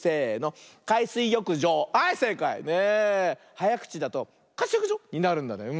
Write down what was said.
はやくちだと「かすよくじょ」になるんだね。